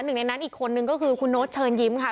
หนึ่งในนั้นอีกคนนึงก็คือคุณโน๊ตเชิญยิ้มค่ะ